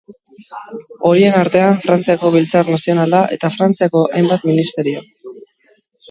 Horien artean, Frantziako Biltzar Nazionala eta Frantziako hainbat ministerio.